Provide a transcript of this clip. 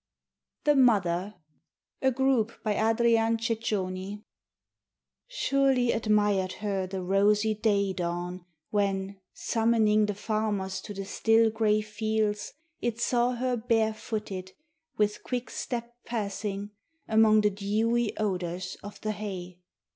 THE MOTHER (A GROUP BY ADRIAN CECIONI) Surely admired her the rosy day dawn, when, summoning the farmers to the still gray fields, it saw her barefooted, with quick step passing among the dewy odors of the hay.